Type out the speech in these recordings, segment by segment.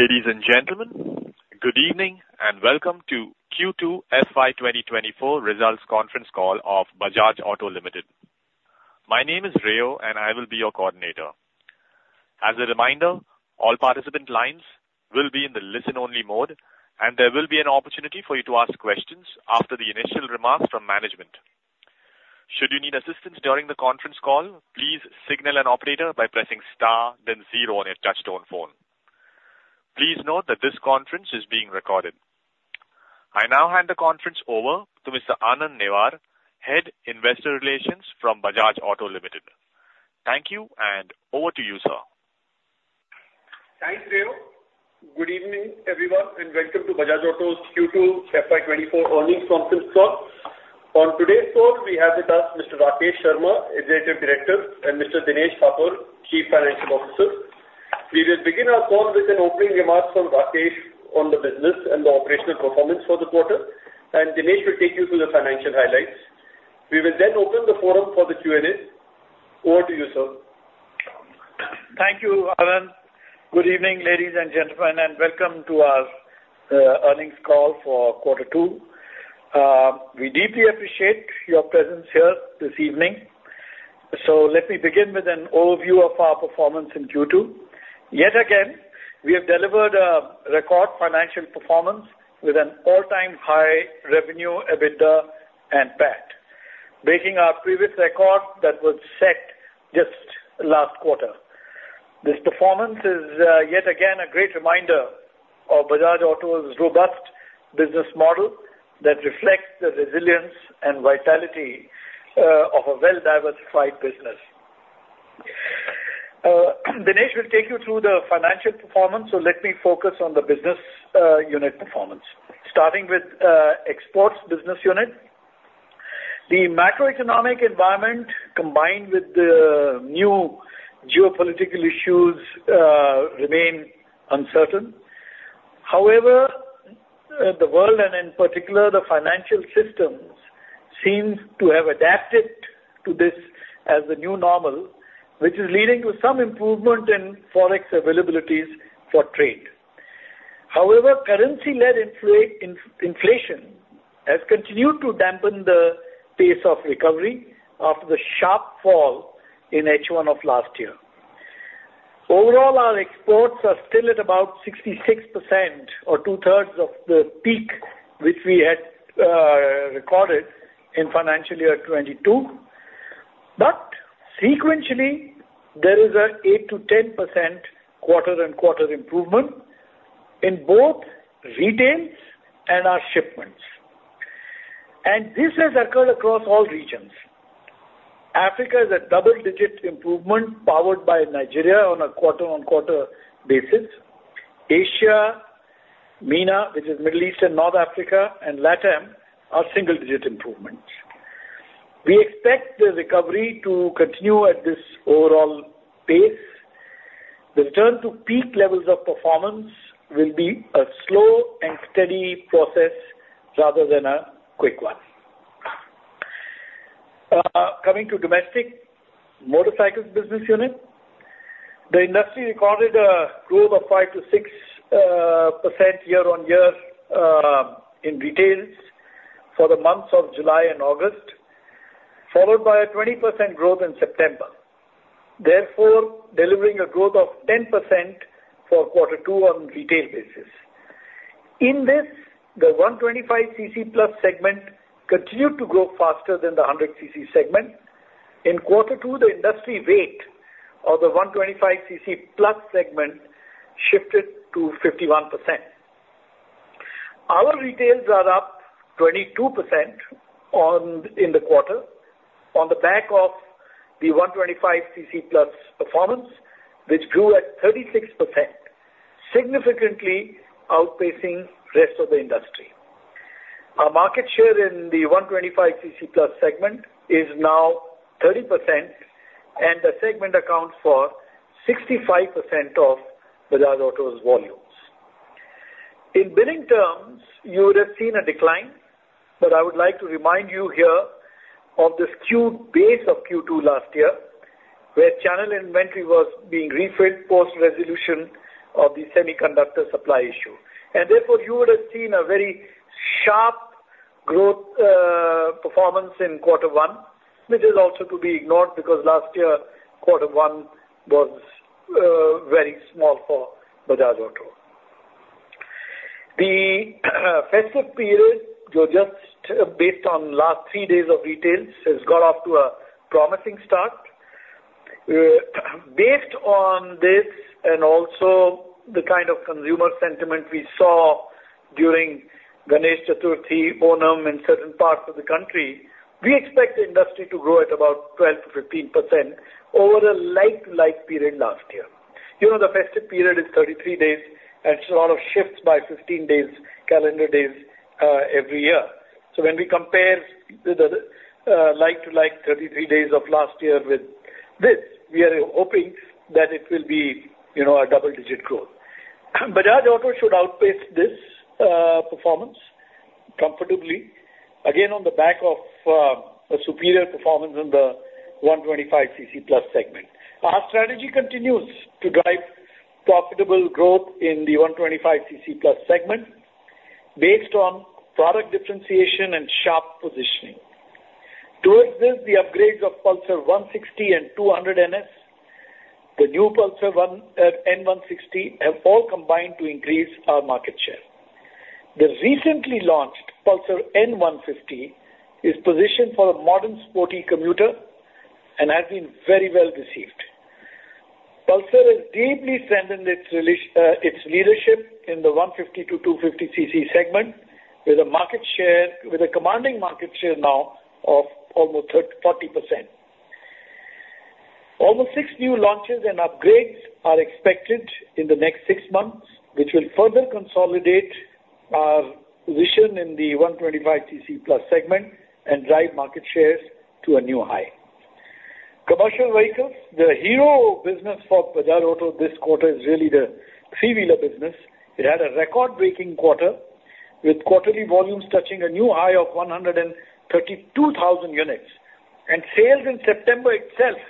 Ladies and gentlemen, good evening, and welcome to Q2 FY 2024 results conference call of Bajaj Auto Limited. My name is Rio, and I will be your coordinator. As a reminder, all participant lines will be in the listen-only mode, and there will be an opportunity for you to ask questions after the initial remarks from management. Should you need assistance during the conference call, please signal an operator by pressing star, then zero on your touchtone phone. Please note that this conference is being recorded. I now hand the conference over to Mr. Anand Newar, Head, Investor Relations from Bajaj Auto Limited. Thank you, and over to you, sir. Thanks, Rio. Good evening, everyone, and welcome to Bajaj Auto's Q2 FY 2024 earnings conference call. On today's call, we have with us Mr. Rakesh Sharma, Executive Director, and Mr. Dinesh Thapar, Chief Financial Officer. We will begin our call with an opening remark from Rakesh on the business and the operational performance for the quarter, and Dinesh will take you through the financial highlights. We will then open the forum for the Q&A. Over to you, sir. Thank you, Anand. Good evening, ladies and gentlemen, and welcome to our earnings call for quarter two. We deeply appreciate your presence here this evening. So let me begin with an overview of our performance in Q2. Yet again, we have delivered a record financial performance with an all-time high revenue, EBITDA and PAT, breaking our previous record that was set just last quarter. This performance is yet again a great reminder of Bajaj Auto's robust business model that reflects the resilience and vitality of a well-diversified business. Dinesh will take you through the financial performance, so let me focus on the business unit performance. Starting with exports business unit. The macroeconomic environment, combined with the new geopolitical issues, remain uncertain. However, the world, and in particular, the financial systems, seems to have adapted to this as the new normal, which is leading to some improvement in Forex availabilities for trade. However, currency-led inflation has continued to dampen the pace of recovery after the sharp fall in H1 of last year. Overall, our exports are still at about 66% or 2/3 of the peak, which we had recorded in financial year 2022. But sequentially, there is an 8%-10% quarter-on-quarter improvement in both retails and our shipments. And this has occurred across all regions. Africa is a double-digit improvement, powered by Nigeria on a quarter-on-quarter basis. Asia, MENA, which is Middle East and North Africa, and LATAM, are single-digit improvements. We expect the recovery to continue at this overall pace. The return to peak levels of performance will be a slow and steady process rather than a quick one. Coming to domestic motorcycles business unit, the industry recorded a growth of 5%-6% year-on-year in retails for the months of July and August, followed by a 20% growth in September, therefore, delivering a growth of 10% for quarter two on retail basis. In this, the 125 cc plus segment continued to grow faster than the 100 cc segment. In quarter two, the industry weight of the 125 cc-plus segment shifted to 51%. Our retails are up 22% on, in the quarter on the back of the 125 cc-plus performance, which grew at 36%, significantly outpacing rest of the industry. Our market share in the 125 cc-plus segment is now 30%, and the segment accounts for 65% of Bajaj Auto's volumes. In billing terms, you would have seen a decline, but I would like to remind you here of the skewed base of Q2 last year, where channel inventory was being refilled post-resolution of the semiconductor supply issue. And therefore, you would have seen a very sharp growth performance in quarter one, which is also to be ignored, because last year, quarter one was very small for Bajaj Auto. Festive period, though just based on last three days of retails, has got off to a promising start. Based on this and also the kind of consumer sentiment we saw during Ganesh Chaturthi, Onam in certain parts of the country, we expect the industry to grow at about 12%-15% over a like-to-like period last year. You know, the festive period is 33 days, and so a lot of shifts by 15 days, calendar days, every year. So when we compare the like-to-like 33 days of last year with this, we are hoping that it will be, you know, a double-digit growth. Bajaj Auto should outpace this performance comfortably, again, on the back of a superior performance in the 125 cc-plus segment. Our strategy continues to drive profitable growth in the 125 cc-plus segment based on product differentiation and sharp positioning. Towards this, the upgrades of Pulsar 160 and 200NS, the new Pulsar N160, have all combined to increase our market share. The recently launched Pulsar N150 is positioned for a modern, sporty commuter and has been very well received. Pulsar has deeply strengthened its leadership in the 150-250 cc segment, with a commanding market share now of almost 40%. Almost six new launches and upgrades are expected in the next six months, which will further consolidate our position in the 125 cc-plus segment and drive market shares to a new high. Commercial vehicles, the hero business for Bajaj Auto this quarter, is really the three-wheeler business. It had a record-breaking quarter, with quarterly volumes touching a new high of 132,000 units, and sales in September itself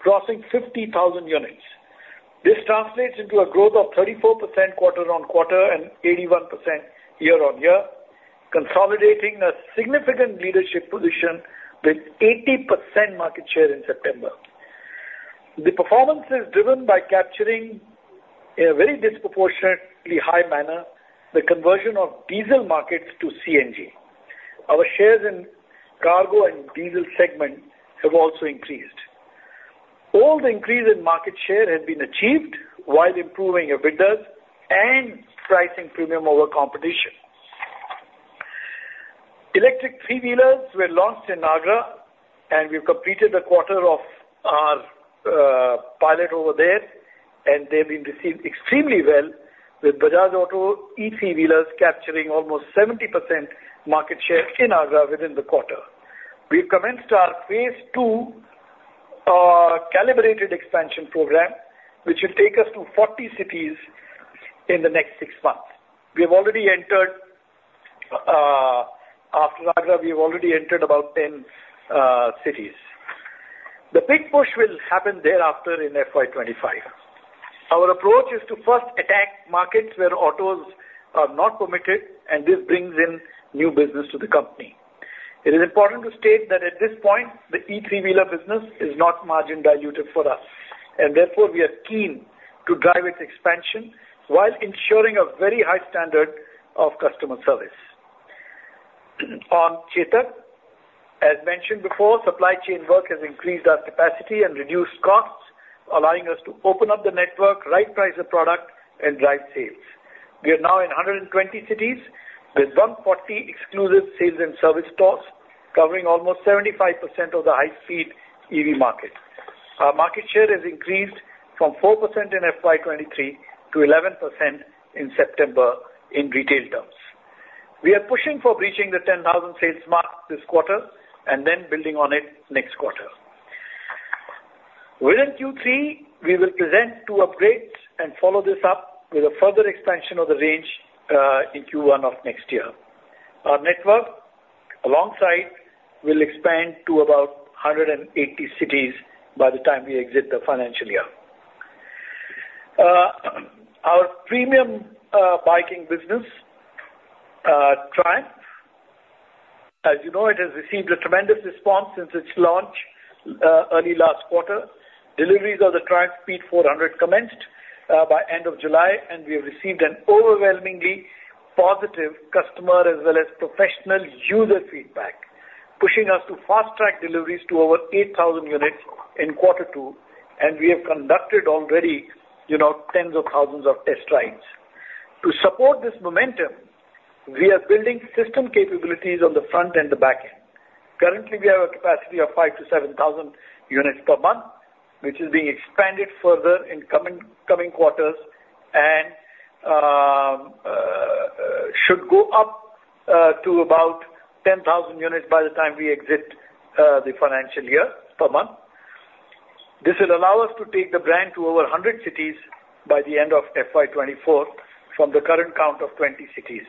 crossing 50,000 units. This translates into a growth of 34% quarter-on-quarter and 81% year-on-year, consolidating a significant leadership position with 80% market share in September. The performance is driven by capturing, in a very disproportionately high manner, the conversion of diesel markets to CNG. Our shares in cargo and diesel segment have also increased. All the increase in market share has been achieved while improving EBITDA and pricing premium over competition. Electric three-wheelers were launched in Agra, and we've completed a quarter of our pilot over there, and they've been received extremely well, with Bajaj Auto e-three-wheelers capturing almost 70% market share in Agra within the quarter. We've commenced our Phase 2, calibrated expansion program, which will take us to 40 cities in the next six months. We have already entered, after Agra, we've already entered about 10, cities. The big push will happen thereafter in FY 2025. Our approach is to first attack markets where autos are not permitted, and this brings in new business to the company. It is important to state that at this point, the e-three-wheeler business is not margin diluted for us, and therefore, we are keen to drive its expansion while ensuring a very high standard of customer service. On Chetak, as mentioned before, supply chain work has increased our capacity and reduced costs, allowing us to open up the network, right-price the product and drive sales. We are now in 120 cities, with 140 exclusive sales and service stores, covering almost 75% of the high-speed EV market. Our market share has increased from 4% in FY 2023 to 11% in September in retail terms. We are pushing for reaching the 10,000 sales mark this quarter and then building on it next quarter. Within Q3, we will present two upgrades and follow this up with a further expansion of the range in Q1 of next year. Our network, alongside, will expand to about 180 cities by the time we exit the financial year. Our premium biking business, Triumph, as you know, it has received a tremendous response since its launch early last quarter. Deliveries of the Triumph Speed 400 commenced by end of July, and we have received an overwhelmingly positive customer as well as professional user feedback, pushing us to fast-track deliveries to over 8,000 units in quarter two, and we have conducted already, you know, tens of thousands of test rides. To support this momentum, we are building system capabilities on the front and the back end. Currently, we have a capacity of 5,000-7,000 units per month, which is being expanded further in coming quarters and should go up to about 10,000 units by the time we exit the financial year, per month. This will allow us to take the brand to over 100 cities by the end of FY 2024 from the current count of 20 cities,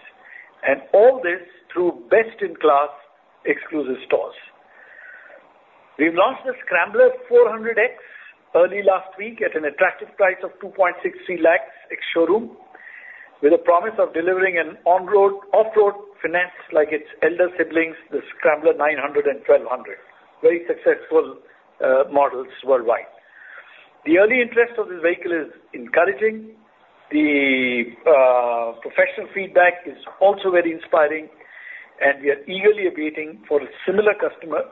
and all this through best-in-class exclusive stores. We've launched the Scrambler 400 X early last week at an attractive price of 2.6 lakh ex-showroom, with a promise of delivering an on-road, off-road finesse like its elder siblings, the Scrambler 900 and 1200. Very successful models worldwide. The early interest of this vehicle is encouraging. The professional feedback is also very inspiring, and we are eagerly awaiting for a similar customer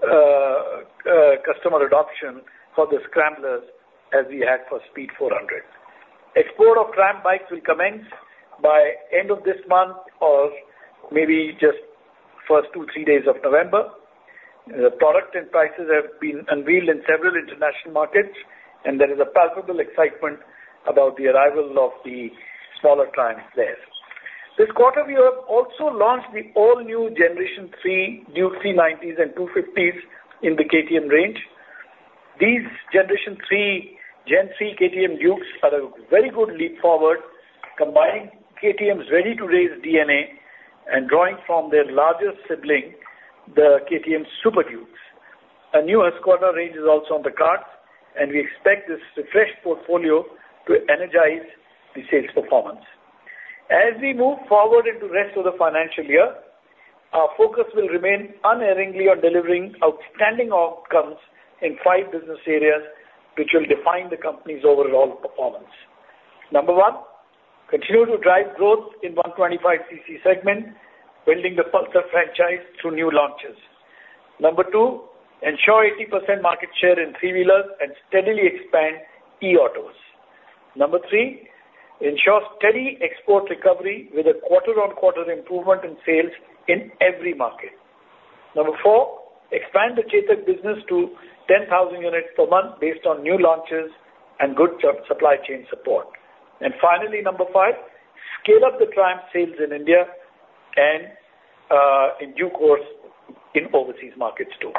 customer adoption for the Scramblers as we had for Speed 400. Export of Triumph bikes will commence by end of this month or maybe just first two-three days of November. The product and prices have been unveiled in several international markets, and there is a palpable excitement about the arrival of the smaller Triumphs. This quarter, we have also launched the all-new Generation 3 Duke 125s and 250s in the KTM range. These Generation 3, Gen 3 KTM Dukes are a very good leap forward, combining KTM's ready-to-race DNA and drawing from their largest sibling, the KTM Super Dukes. A new Husqvarna range is also on the cards, and we expect this fresh portfolio to energize the sales performance. As we move forward into the rest of the financial year, our focus will remain unerringly on delivering outstanding outcomes in five business areas, which will define the company's overall performance. Number one, continue to drive growth in 125 cc segment, building the Pulsar franchise through new launches. Number two, ensure 80% market share in three-wheelers and steadily expand e-autos. Number three, ensure steady export recovery with a quarter-on-quarter improvement in sales in every market. Number four, expand the Chetak business to 10,000 units per month based on new launches and good supply chain support. Finally, number five, scale up the Triumph sales in India and, in due course, in overseas markets, too.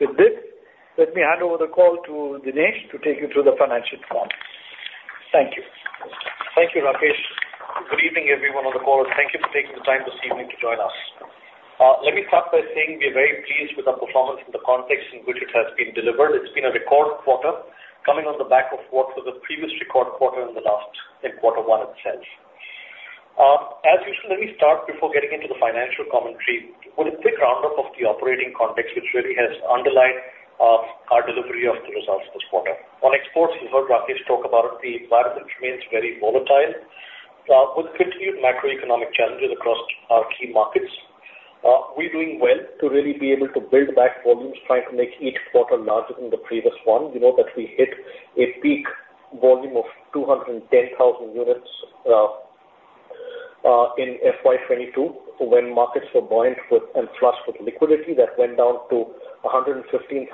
With this, let me hand over the call to Dinesh to take you through the financial performance. Thank you. Thank you, Rakesh. Good evening, everyone on the call, and thank you for taking the time this evening to join us. Let me start by saying we are very pleased with our performance in the context in which it has been delivered. It's been a record quarter, coming on the back of what was a previous record quarter in the last, in quarter one itself. As usual, let me start before getting into the financial commentary, with a quick roundup of the operating context, which really has underlined our delivery of the results this quarter. On exports, you heard Rakesh talk about it. The environment remains very volatile, with continued macroeconomic challenges across our key markets. We're doing well to really be able to build back volumes, trying to make each quarter larger than the previous one. We know that we hit a peak volume of 210,000 units in FY 2022, when markets were buoyant with and flush with liquidity. That went down to 115,000 in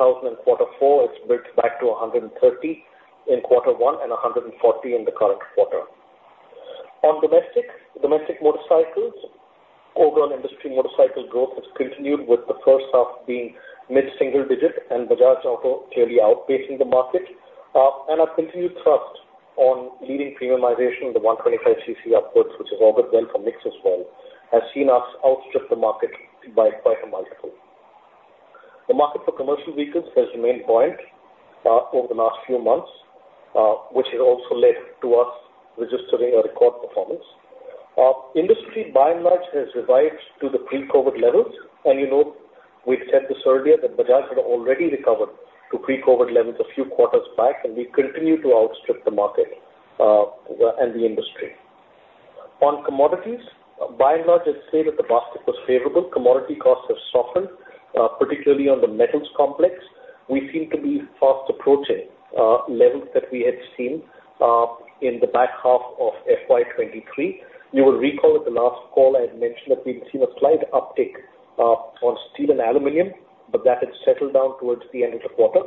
quarter four. It's built back to 130 in quarter one and 140 in the current quarter. On domestic, domestic motorcycles, overall industry motorcycle growth has continued, with the first half being mid-single digit and Bajaj Auto clearly outpacing the market. And our continued trust on leading premiumization in the 125 cc upwards, which is all but well for mix as well, has seen us outstrip the market by a multiple. The market for commercial vehicles has remained buoyant over the last few months, which has also led to us registering a record performance. Industry, by and large, has revised to the pre-COVID levels, and you know, we've said this earlier, that Bajaj had already recovered to pre-COVID levels a few quarters back, and we continue to outstrip the market, and the industry. On commodities, by and large, I'd say that the basket was favorable. Commodity costs have softened, particularly on the metals complex. We seem to be fast approaching levels that we had seen in the back half of FY 2023. You will recall at the last call, I had mentioned that we've seen a slight uptick on steel and aluminum, but that has settled down towards the end of the quarter,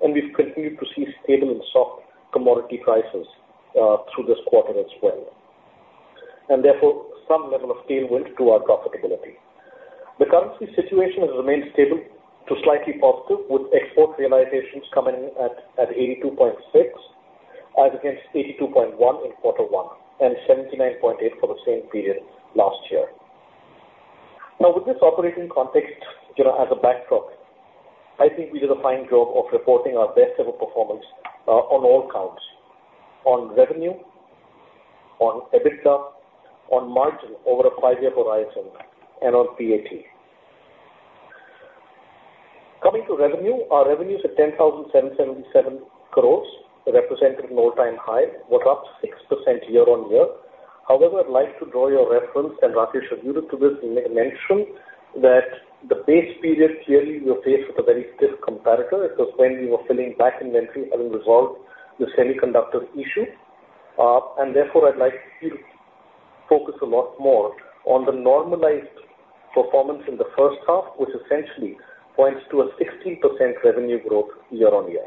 and we've continued to see stable and soft commodity prices through this quarter as well, and therefore, some level of tailwind to our profitability. The currency situation has remained stable to slightly positive, with export realizations coming in at 82.6, as against 82.1 in quarter one and 79.8 for the same period last year. Now, with this operating context, you know, as a backdrop, I think we did a fine job of reporting our best ever performance, on all counts, on revenue, on EBITDA, on margin over a five-year horizon, and on PAT. Coming to revenue, our revenues are 10,777 crore, representing an all-time high, were up 6% year-on-year. However, I'd like to draw your reference, and Rakesh alluded to this in mention, that the base period, clearly, we are faced with a very stiff comparator. It was when we were filling back inventory and resolved the semiconductor issue. And therefore, I'd like you to focus a lot more on the normalized performance in the first half, which essentially points to a 60% revenue growth year-on-year.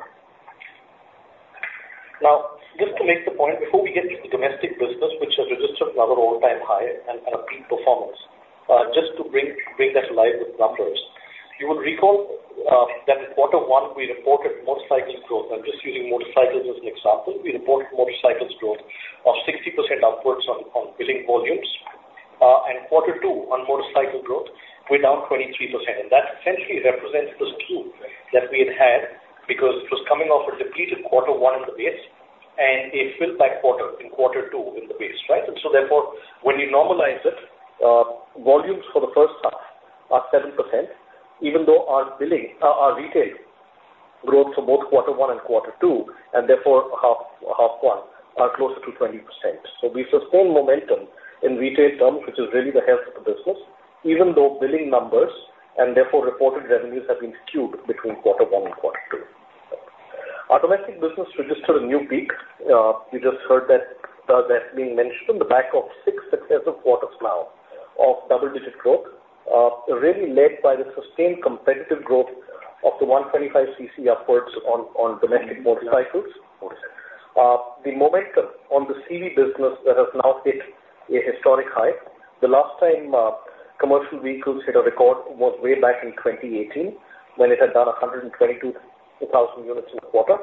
Now, just to make the point, before we get into the domestic business, which has registered another all-time high and a peak performance, just to bring that alive with numbers. You would recall that in quarter one, we reported motorcycle growth. I'm just using motorcycles as an example. We reported motorcycles growth of 60% upwards on billing volumes. And quarter two on motorcycle growth, we're down 23%. And that essentially represents the skew that we had, because it was coming off a depleted quarter one in the base and a filled back quarter in quarter two in the base, right? So therefore, when you normalize it, volumes for the first half are 7%, even though our billing, our retail growth for both quarter one and quarter two, and therefore, half, half one are closer to 20%. So we've sustained momentum in retail terms, which is really the health of the business, even though billing numbers and therefore reported revenues have been skewed between quarter one and quarter two. Our domestic business registered a new peak. You just heard that being mentioned on the back of six successive quarters now of double-digit growth, really led by the sustained competitive growth of the 125 cc upwards on domestic motorcycles... The momentum on the CV business has now hit a historic high. The last time, commercial vehicles hit a record was way back in 2018, when it had done 122,000 units in a quarter.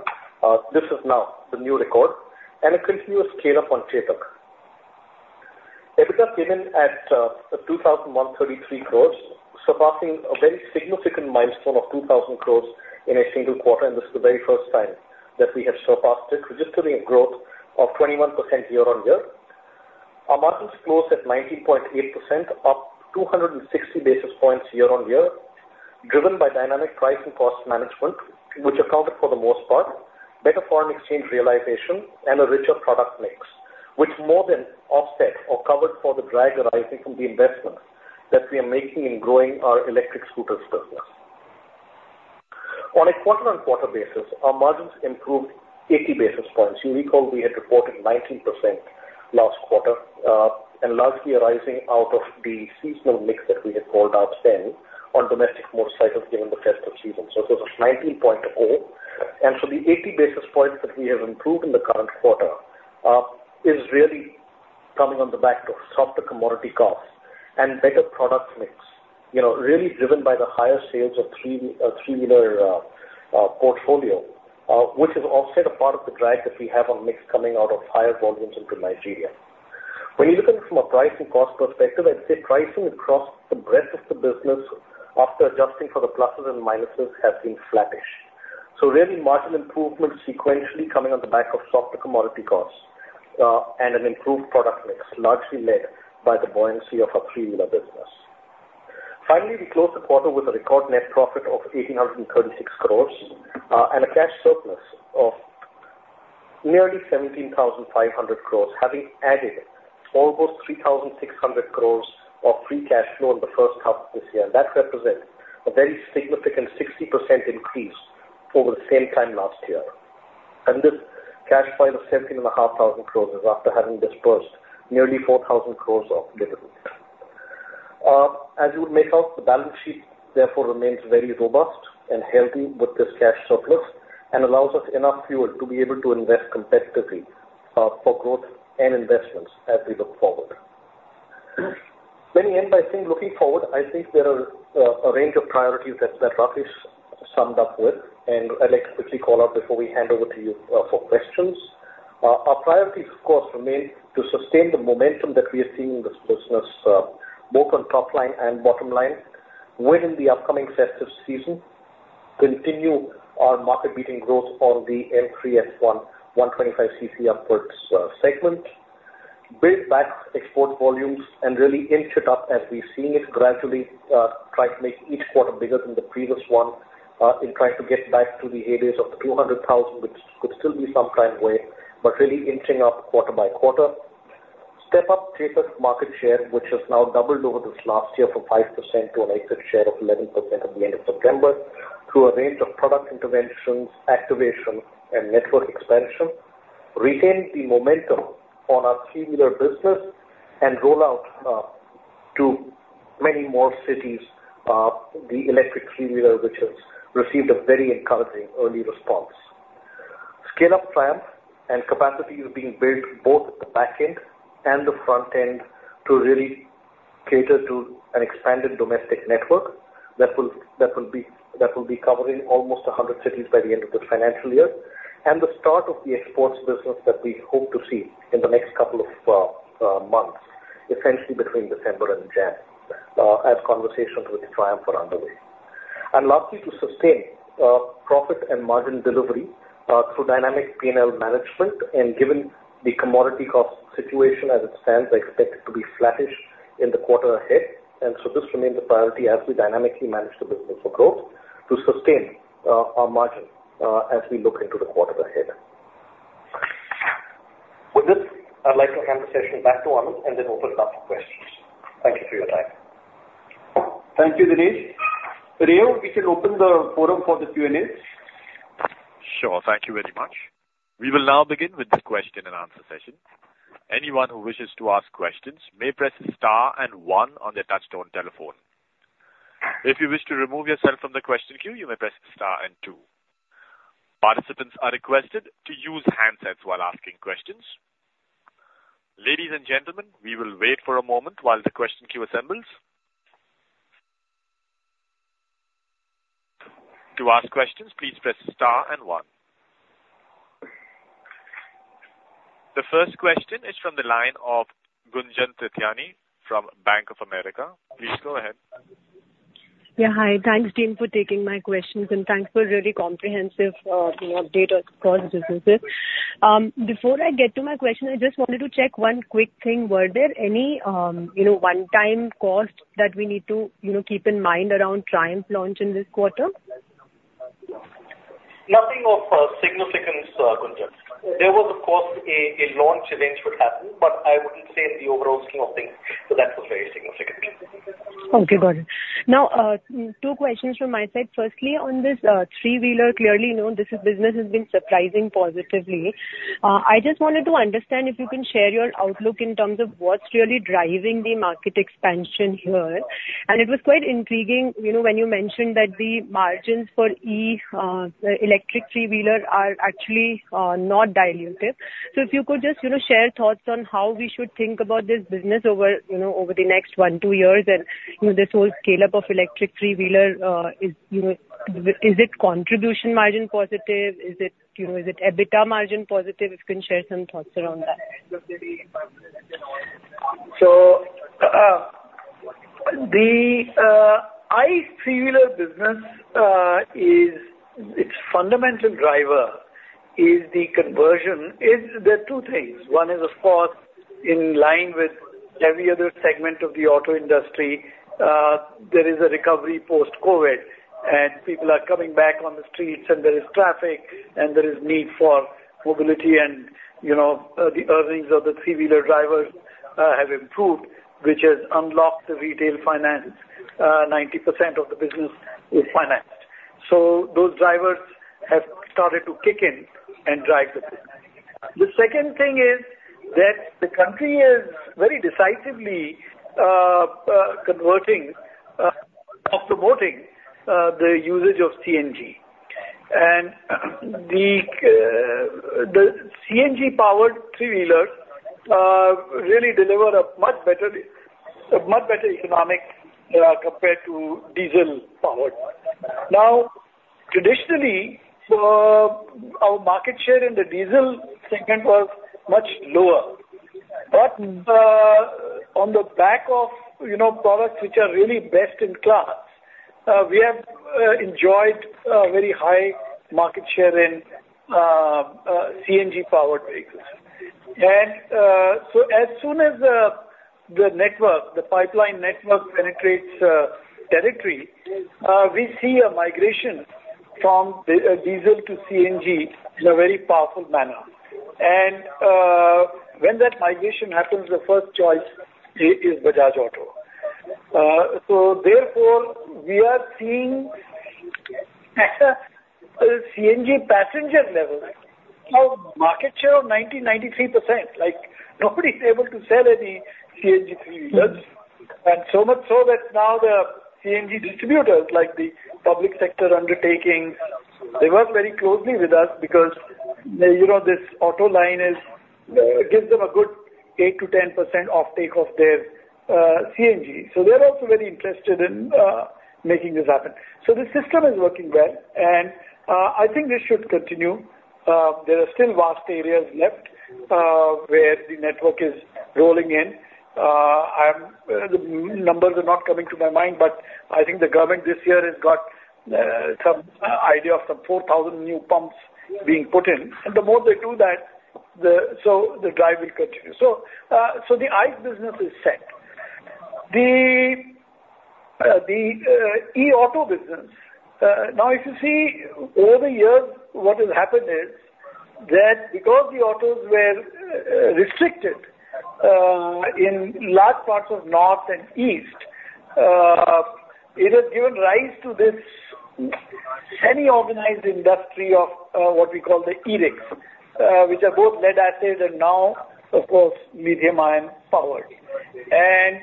This is now the new record, and a continuous scale up on Chetak. EBITDA came in at 2,133 crores, surpassing a very significant milestone of 2,000 crores in a single quarter, and this is the very first time that we have surpassed it, registering a growth of 21% year-on-year. Our margins closed at 19.8%, up 260 basis points year-on-year, driven by dynamic pricing cost management, which accounted for the most part, better foreign exchange realization and a richer product mix, which more than offset or covered for the drag arising from the investments that we are making in growing our electric scooters business. On a quarter-on-quarter basis, our margins improved 80 basis points. You recall we had reported 19% last quarter, and largely arising out of the seasonal mix that we had called out then on domestic motorcycles, given the festive season. So it was 19.0. And so the 80 basis points that we have improved in the current quarter, is really coming on the back of softer commodity costs and better product mix. You know, really driven by the higher sales of three-wheeler portfolio, which is also a part of the drag that we have on mix coming out of higher volumes into Nigeria. When you look at it from a price and cost perspective, I'd say pricing across the breadth of the business, after adjusting for the pluses and minuses, has been flattish. So really, margin improvement sequentially coming on the back of softer commodity costs, and an improved product mix, largely led by the buoyancy of our three-wheeler business. Finally, we closed the quarter with a record net profit of 1,836 crore, and a cash surplus of nearly 17,500 crore, having added almost 3,600 crore of free cash flow in the first half of this year. That represents a very significant 60% increase over the same time last year. And this cash pile of 17,500 crore is after having disbursed nearly 4,000 crore of deliveries. As you would make out, the balance sheet therefore remains very robust and healthy with this cash surplus, and allows us enough fuel to be able to invest competitively, for growth and investments as we look forward. Let me end by saying, looking forward, I think there are a range of priorities that Rakesh summed up with, and I'd like to quickly call out before we hand over to you for questions. Our priorities of course remain to sustain the momentum that we are seeing in this business, both on top line and bottom line, within the upcoming festive season, continue our market-leading growth for the M3, S1, 125 cc upwards, segment. Build back export volumes and really inch it up as we've seen it gradually, try to make each quarter bigger than the previous one, in trying to get back to the areas of the 200,000, which could still be some time away, but really inching up quarter by quarter. Step up Chetak market share, which has now doubled over this last year from 5% to an exit share of 11% at the end of September, through a range of product interventions, activation and network expansion. Retain the momentum on our three-wheeler business and roll out to many more cities the electric three-wheeler, which has received a very encouraging early response. Scale up Triumph and capacity is being built both at the back end and the front end to really cater to an expanded domestic network that will be covering almost 100 cities by the end of the financial year, and the start of the exports business that we hope to see in the next couple of months, essentially between December and January, as conversations with Triumph are underway. And lastly, to sustain, profit and margin delivery, through dynamic P&L management, and given the commodity cost situation as it stands, I expect it to be flattish in the quarter ahead. And so this remains a priority as we dynamically manage the business for growth, to sustain, our margin, as we look into the quarter ahead. With this, I'd like to hand the session back to Anand and then open it up for questions. Thank you for your time. Thank you, Dinesh. Rio, we can open the forum for the Q&A. Sure. Thank you very much. We will now begin with the question and answer session. Anyone who wishes to ask questions may press star and one on their touchtone telephone. If you wish to remove yourself from the question queue, you may press star and two. Participants are requested to use handsets while asking questions. Ladies and gentlemen, we will wait for a moment while the question queue assembles. To ask questions, please press star and one. The first question is from the line of Gunjan Prithyani from Bank of America. Please go ahead. Yeah, hi. Thanks, team, for taking my questions, and thanks for a really comprehensive, you know, update of across the businesses. Before I get to my question, I just wanted to check one quick thing. Were there any, you know, one-time costs that we need to, you know, keep in mind around Triumph launch in this quarter? Nothing of significance, Gunjan. There was, of course, a launch event which happened, but I wouldn't say in the overall scheme of things, so that was very significant. Okay, got it. Now, two questions from my side. Firstly, on this three-wheeler, clearly, you know, this business has been surprising positively. I just wanted to understand if you can share your outlook in terms of what's really driving the market expansion here. It was quite intriguing, you know, when you mentioned that the margins for e electric three-wheeler are actually not dilutive. So if you could just, you know, share thoughts on how we should think about this business over, you know, over the next one, two years, and, you know, this whole scale-up of electric three-wheeler is, you know, is it contribution margin positive? Is it, you know, is it EBITDA margin positive? If you can share some thoughts around that. So, the ICE three-wheeler business, its fundamental driver is the conversion. There are two things. One is, of course, in line with every other segment of the auto industry, there is a recovery post-COVID, and people are coming back on the streets, and there is traffic, and there is need for mobility and, you know, the earnings of the three-wheeler drivers have improved, which has unlocked the retail finance. 90% of the business is financed. So those drivers have started to kick in and drive the business. The second thing is that the country is very decisively converting or promoting the usage of CNG. And the CNG powered three-wheeler really deliver a much better, a much better economic compared to diesel powered. Now, traditionally, our market share in the diesel segment was much lower, but, on the back of, you know, products which are really best in class, we have enjoyed very high market share in CNG powered vehicles. And, so as soon as the network, the pipeline network penetrates territory, we see a migration from diesel to CNG in a very powerful manner. And, when that migration happens, the first choice is Bajaj Auto. So therefore, we are seeing a CNG passenger level, a market share of 90%-93%. Like, nobody's able to sell any CNG three-wheelers. And so much so that now the CNG distributors, like the public sector undertaking, they work very closely with us because, you know, this auto line is gives them a good 8%-10% of take of their CNG. So they're also very interested in making this happen. So the system is working well, and I think this should continue. There are still vast areas left where the network is rolling in. The numbers are not coming to my mind, but I think the government this year has got some idea of some 4,000 new pumps being put in. And the more they do that, so the drive will continue. So the ICE business is set. The e-auto business. Now, if you see over the years, what has happened is that because the autos were restricted in large parts of north and east, it has given rise to this semi-organized industry of what we call the e-ricks, which are both lead-acid and now, of course, lithium-ion powered. And,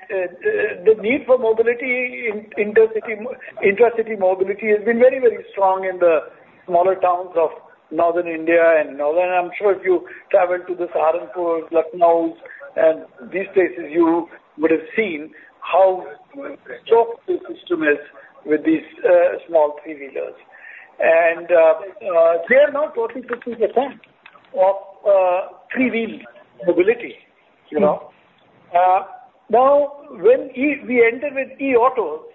the need for mobility in intercity, intracity mobility has been very, very strong in the smaller towns of northern India and northern. I'm sure if you travel to Saharanpur, Lucknow, and these places, you would have seen how choked the system is with these small three-wheelers. And, they are now 40%-50% of three-wheeled mobility, you know? Now, when we enter with e-autos,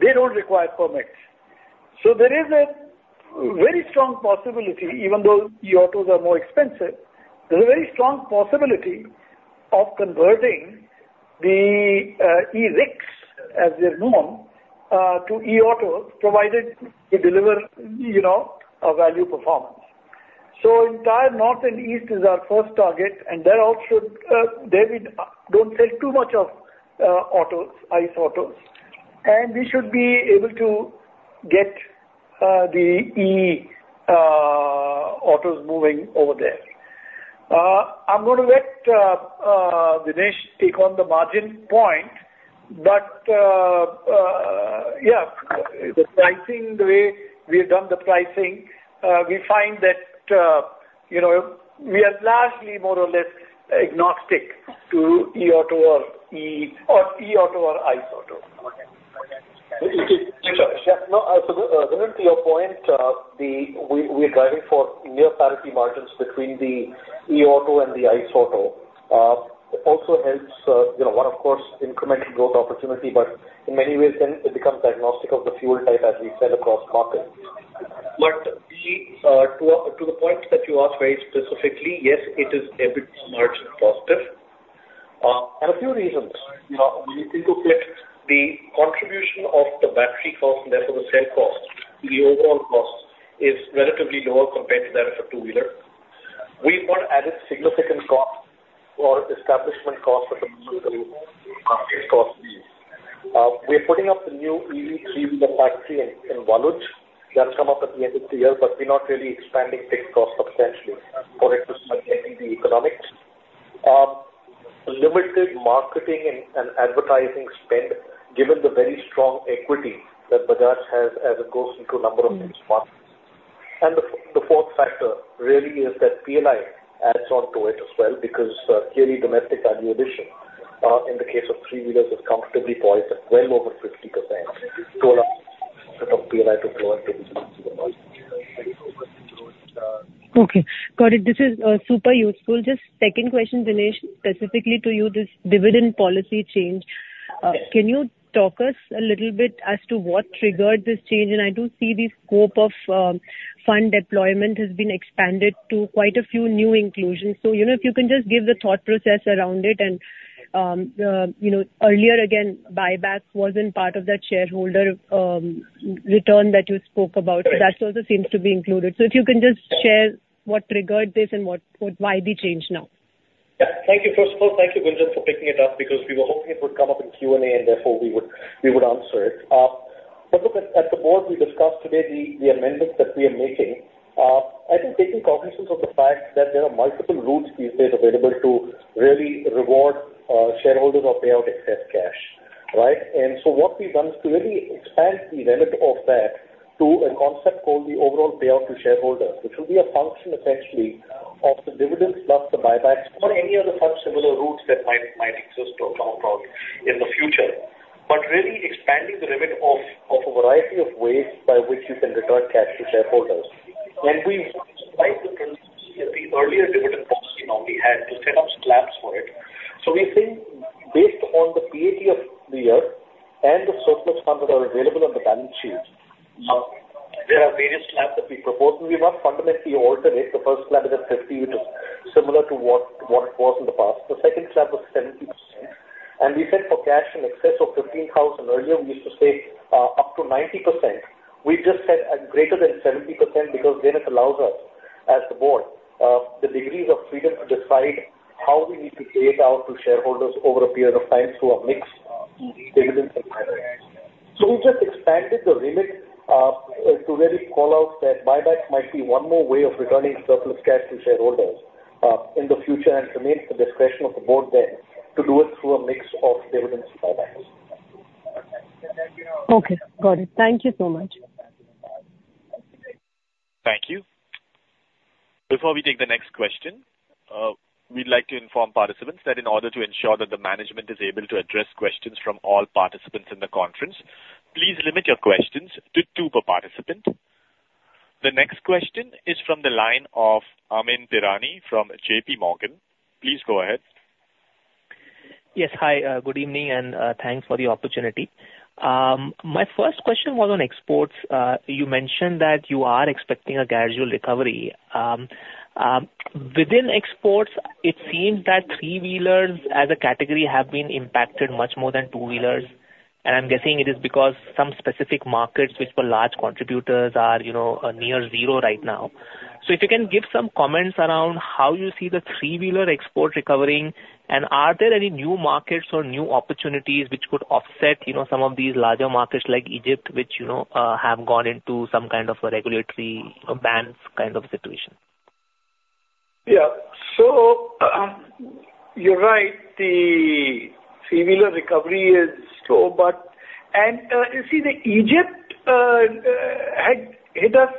they don't require permits. So there is a very strong possibility, even though e-autos are more expensive, there's a very strong possibility of converting the e-ricks, as they're known, to e-autos, provided they deliver, you know, a value performance. So entire north and east is our first target, and there also, we don't sell too much of autos, ICE autos, and we should be able to get the e-autos moving over there. I'm going to let Dinesh take on the margin point, but yeah, the pricing, the way we've done the pricing, we find that, you know, we are largely more or less agnostic to e-auto or e- or e-auto or ICE auto. Okay. Yeah. No, so Gunjan, to your point, we are driving for near parity margins between the e-auto and the ICE auto. It also helps, you know, one, of course, incremental growth opportunity, but in many ways then, it becomes diagnostic of the fuel type as we sell across markets. But to the point that you asked very specifically, yes, it is EBITDA margin positive, and a few reasons. To put the contribution of the battery cost and therefore the cell cost, the overall cost is relatively lower compared to that of a two-wheeler. We've not added significant cost or establishment cost for the new group cost. We're putting up a new EV three-wheeler factory in Waluj. That'll come up at the end of the year, but we're not really expanding fixed costs substantially for it to maintain the economics. Limited marketing and advertising spend, given the very strong equity that Bajaj has as it goes into a number of these markets. And the fourth factor really is that PLI adds on to it as well, because clearly domestic value addition in the case of three-wheelers is comfortably poised at well over 50%. So allow set up PLI to grow and take it to the market. Okay, got it. This is super useful. Just second question, Dinesh, specifically to you, this dividend policy change. Can you talk us a little bit as to what triggered this change? And I do see the scope of fund deployment has been expanded to quite a few new inclusions. So, you know, if you can just give the thought process around it. And, you know, earlier, again, buyback wasn't part of that shareholder return that you spoke about. Right. That also seems to be included. So if you can just share what triggered this and what, what, why the change now? Yeah. Thank you. First of all, thank you, Gunjan, for picking it up, because we were hoping it would come up in Q&A, and therefore, we would, we would answer it. But look at, at the board we discussed today, the, the amendments that we are making, I think taking cognizance of the fact that there are multiple routes these days available to really reward shareholders or pay out excess cash, right? And so what we've done is to really expand the remit of that to a concept called the overall payout to shareholders, which will be a function essentially of the dividends plus the buybacks, or any other such similar routes that might, might exist or come about in the future. But really expanding the remit of, of a variety of ways by which you can return cash to shareholders. And we, like the principles, the earlier dividend policy, now we had to set up slabs for it. So we think based on the PAT of the year and the surplus funds that are available on the balance sheet, there are various slabs that we propose, and we must fundamentally alter it. The first slab is at 50, which is similar to what, what it was in the past. The second slab was 70%. And we said for cash in excess of 15,000, earlier, we used to say, up to 90%. We just said at greater than 70%, because then it allows us, as the board, the degrees of freedom to decide how we need to pay it out to shareholders over a period of time through a mix of dividends and buybacks. We just expanded the remit to really call out that buybacks might be one more way of returning surplus cash to shareholders in the future, and remains the discretion of the board then to do it through a mix of dividends and buybacks. Okay, got it. Thank you so much. Thank you. Before we take the next question, we'd like to inform participants that in order to ensure that the management is able to address questions from all participants in the conference, please limit your questions to two per participant. The next question is from the line of Amyn Pirani from JPMorgan. Please go ahead. Yes. Hi, good evening, and, thanks for the opportunity. My first question was on exports. You mentioned that you are expecting a gradual recovery. Within exports, it seems that three-wheelers as a category have been impacted much more than two-wheelers, and I'm guessing it is because some specific markets, which were large contributors, are, you know, near zero right now. So if you can give some comments around how you see the three-wheeler export recovering, and are there any new markets or new opportunities which could offset, you know, some of these larger markets like Egypt, which, you know, have gone into some kind of a regulatory bans kind of situation? Yeah. So, you're right, the three-wheeler recovery is slow, but... And, you see, Egypt had hit us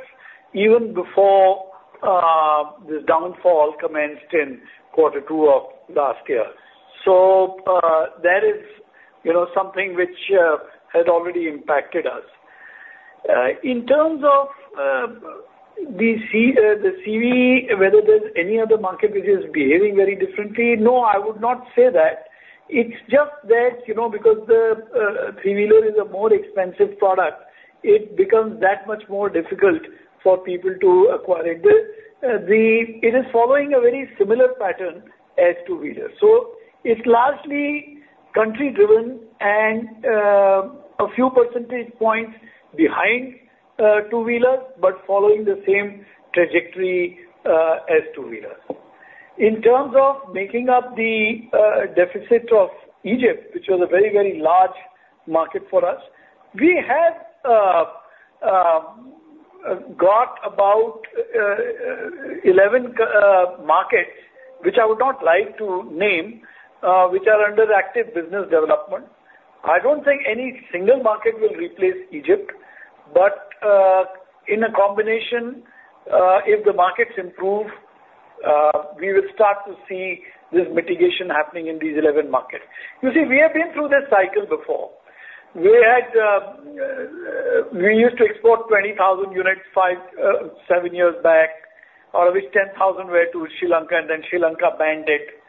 even before the downfall commenced in quarter two of last year. So, that is, you know, something which had already impacted us. In terms of the CV, whether there's any other market which is behaving very differently, no, I would not say that. It's just that, you know, because the three-wheeler is a more expensive product, it becomes that much more difficult for people to acquire it. It is following a very similar pattern as two-wheeler. So it's largely country driven and a few percentage points behind two-wheelers, but following the same trajectory as two-wheelers. In terms of making up the deficit of Egypt, which was a very, very large market for us, we have got about 11 markets, which I would not like to name, which are under active business development. I don't think any single market will replace Egypt, but in a combination, if the markets improve, we will start to see this mitigation happening in these 11 markets. You see, we have been through this cycle before. We used to export 20,000 units, five-seven years back, out of which 10,000 were to Sri Lanka, and then Sri Lanka banned it.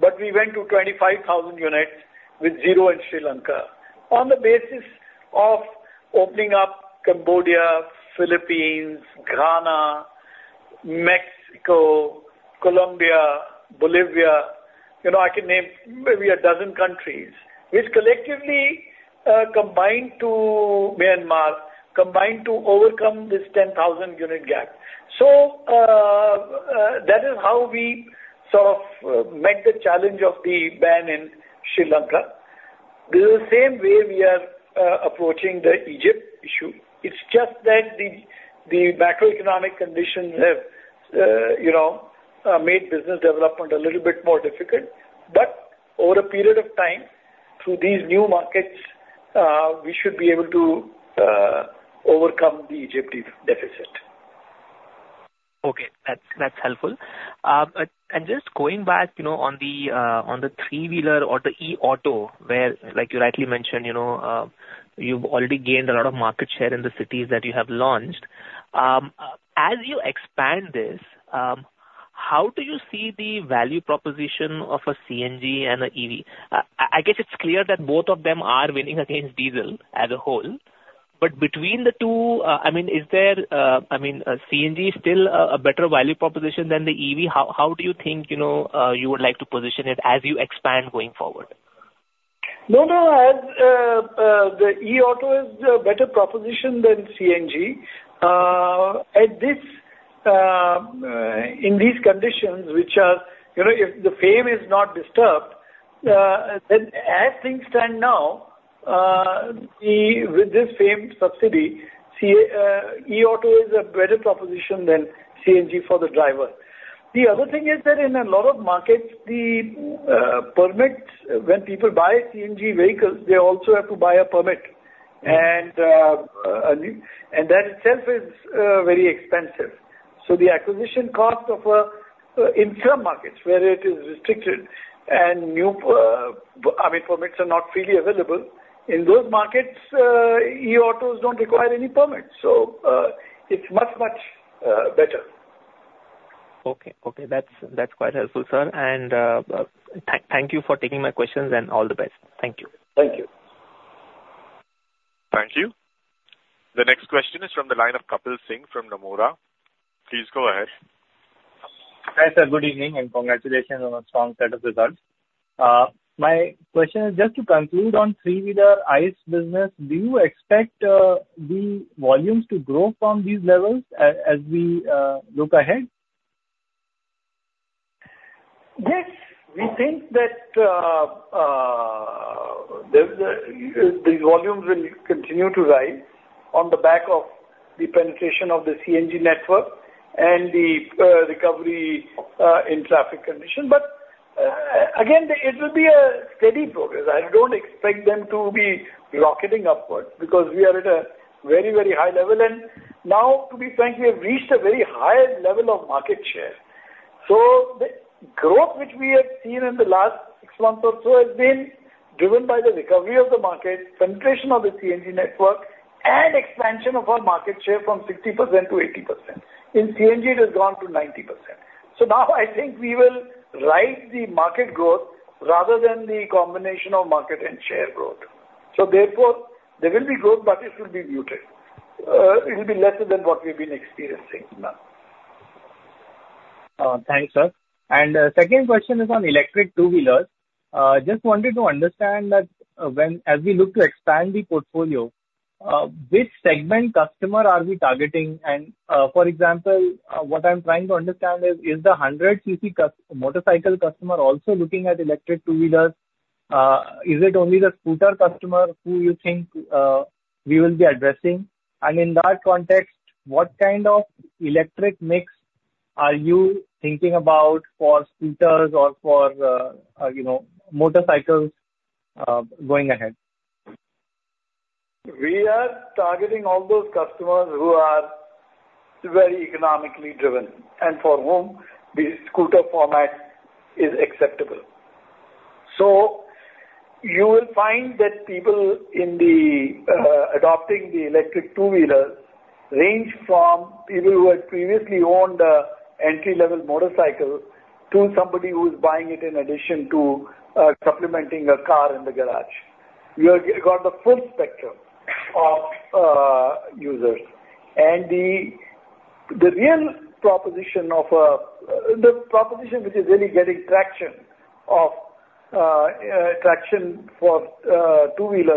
But we went to 25,000 units, with 0 in Sri Lanka. On the basis of opening up Cambodia, Philippines, Ghana, Mexico, Colombia, Bolivia-... You know, I can name maybe a dozen countries, which collectively, combined to Myanmar, combined to overcome this 10,000 unit gap. So, that is how we sort of met the challenge of the ban in Sri Lanka. This is the same way we are approaching the Egypt issue. It's just that the, the macroeconomic conditions have, you know, made business development a little bit more difficult. But over a period of time, through these new markets, we should be able to overcome the Egyptian deficit. Okay, that's helpful. Just going back, you know, on the three-wheeler or the e-auto, where, like you rightly mentioned, you know, you've already gained a lot of market share in the cities that you have launched. As you expand this, how do you see the value proposition of a CNG and an EV? I guess it's clear that both of them are winning against diesel as a whole. But between the two, I mean, is there, I mean, CNG is still a better value proposition than the EV. How do you think, you know, you would like to position it as you expand going forward? No, no, as the e-auto is a better proposition than CNG. At this, in these conditions, which are, you know, if the FAME is not disturbed, then as things stand now, the, with this same subsidy, e-auto is a better proposition than CNG for the driver. The other thing is that in a lot of markets, the permits, when people buy CNG vehicles, they also have to buy a permit, and, and that itself is very expensive. So the acquisition cost of a, in some markets where it is restricted and new, I mean, permits are not freely available, in those markets, e-autos don't require any permits, so, it's much, much better. Okay. Okay, that's, that's quite helpful, sir. And, thank you for taking my questions, and all the best. Thank you. Thank you. Thank you. The next question is from the line of Kapil Singh from Nomura. Please go ahead. Hi, sir. Good evening, and congratulations on a strong set of results. My question is just to conclude on three-wheeler ICE business, do you expect the volumes to grow from these levels as we look ahead? Yes, we think that the volumes will continue to rise on the back of the penetration of the CNG network and the recovery in traffic condition. But again, it will be a steady progress. I don't expect them to be rocketing upwards because we are at a very, very high level, and now, to be frank, we have reached a very high level of market share. So the growth which we have seen in the last six months or so has been driven by the recovery of the market, penetration of the CNG network, and expansion of our market share from 60%-80%. In CNG, it has gone to 90%. So now I think we will ride the market growth rather than the combination of market and share growth. So therefore, there will be growth, but it will be muted. It will be lesser than what we've been experiencing now. Thanks, sir. And second question is on electric two-wheelers. Just wanted to understand that when, as we look to expand the portfolio, which segment customer are we targeting? And, for example, what I'm trying to understand is, is the 100 cc motorcycle customer also looking at electric two-wheelers? Is it only the scooter customer who you think we will be addressing? And in that context, what kind of electric mix are you thinking about for scooters or for, you know, motorcycles, going ahead? We are targeting all those customers who are very economically driven and for whom the scooter format is acceptable. So you will find that people adopting the electric two-wheeler range from people who had previously owned a entry-level motorcycle to somebody who's buying it in addition to supplementing a car in the garage. We have got the full spectrum of users. And the real proposition which is really getting traction for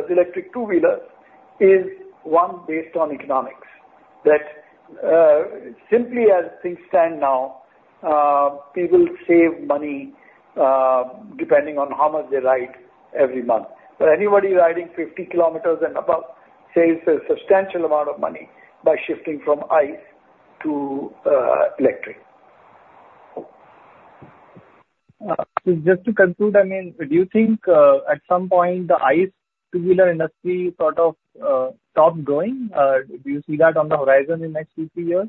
electric two-wheelers is one based on economics. That simply as things stand now people save money depending on how much they ride every month. So anybody riding 50 km and above saves a substantial amount of money by shifting from ICE to electric. So just to conclude, I mean, do you think at some point, the ICE two-wheeler industry sort of stop growing? Do you see that on the horizon in next two, three years?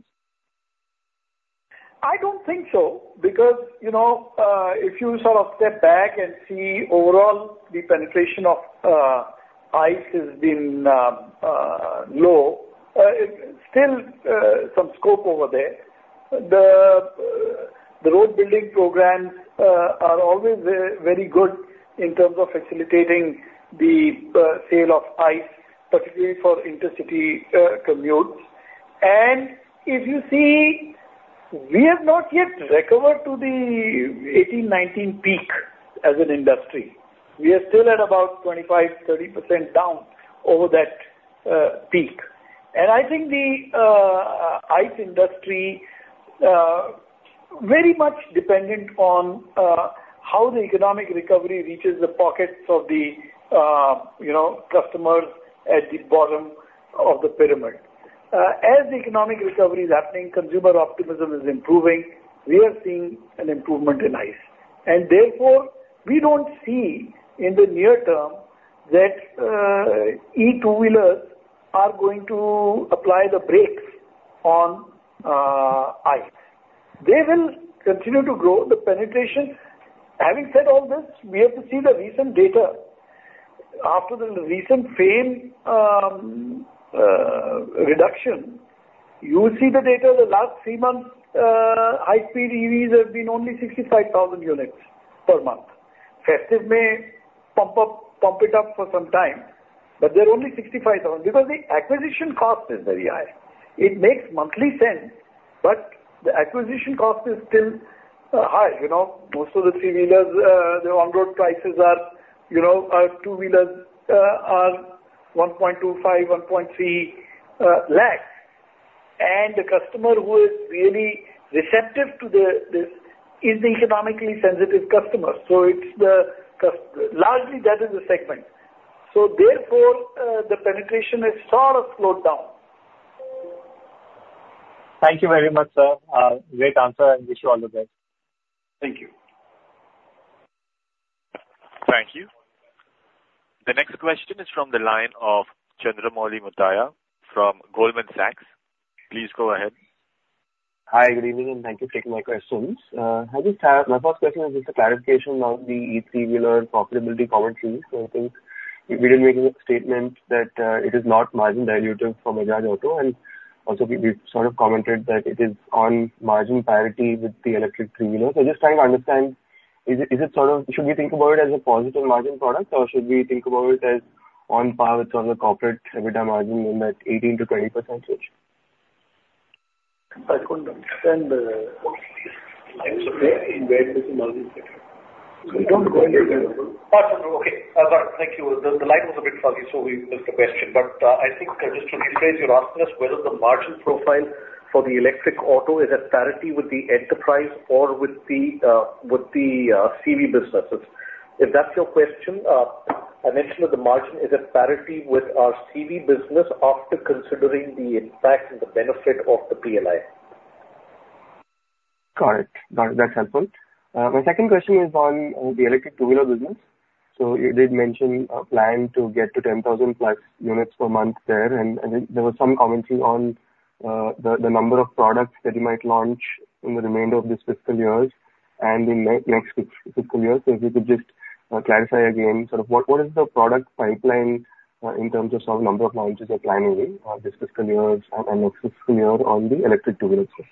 I don't think so, because, you know, if you sort of step back and see overall the penetration of ICE has been low, still, some scope over there. The road building programs are always very, very good in terms of facilitating the sale of ICE, particularly for intercity commutes. And if you see, we have not yet recovered to the 18-19 peak as an industry. We are still at about 25%-30% down over that peak. And I think the ICE industry very much dependent on how the economic recovery reaches the pockets of the, you know, customers at the bottom of the pyramid. As the economic recovery is happening, consumer optimism is improving. We are seeing an improvement in ICE, and therefore, we don't see in the near term that e-two-wheelers are going to apply the brakes on ICE. They will continue to grow the penetration. Having said all this, we have to see the recent data. After the recent FAME reduction, you see the data, the last three months, high-speed EVs have been only 65,000 units per month. Festive may pump up, pump it up for some time, but they're only 65,000 because the acquisition cost is very high. It makes monthly sense, but the acquisition cost is still high. You know, most of the three-wheelers, the on-road prices are, you know, two-wheelers are 1.25 lakh-1.3 lakh. And the customer who is really receptive to the, this is the economically sensitive customer. So it's the largely, that is the segment. So therefore, the penetration is sort of slowed down. Thank you very much, sir. Great answer, and wish you all the best. Thank you. Thank you. The next question is from the line of Chandramouli Muthiah from Goldman Sachs. Please go ahead. Hi, good evening, and thank you for taking my questions. I just have... My first question is just a clarification on the e-three-wheeler profitability commentary. So I think you did make a statement that it is not margin dilutive from Bajaj Auto, and also we, we sort of commented that it is on margin parity with the electric three-wheeler. So just trying to understand, is it, is it sort of, should we think about it as a positive margin product, or should we think about it as on par with on the corporate EBITDA margin in that 18%-20% range? I couldn't understand, where is the margin? Okay, thank you. The, the line was a bit fuzzy, so we missed the question. But, I think just to summarize, you're asking us whether the margin profile for the electric auto is at parity with the enterprise or with the, with the, CV businesses. If that's your question, I mentioned that the margin is at parity with our CV business after considering the impact and the benefit of the PLI. Got it. Got it. That's helpful. My second question is on the electric two-wheeler business. So you did mention a plan to get to 10,000+ units per month there, and there was some commentary on the number of products that you might launch in the remainder of this fiscal years and in next fiscal year. So if you could just clarify again, sort of what is the product pipeline, in terms of sort of number of launches you're planning in this fiscal years and the next fiscal year on the electric two-wheeler space?